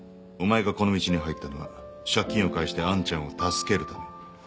お前がこの道に入ったのは借金を返してあんちゃんを助けるため。